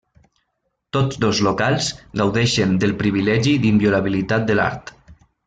Tots dos locals gaudeixen del privilegi d'inviolabilitat de l'art.